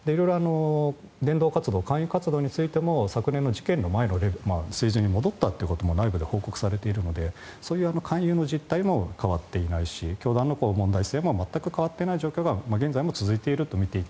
伝道活動、勧誘活動についても昨年の事件前の水準に戻ったとも内部で報告されているのでそういう勧誘の実態も変わっていないし教団の問題性も全く変わっていない状況が続いていると。